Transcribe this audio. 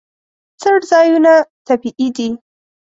څړځایونه طبیعي دي.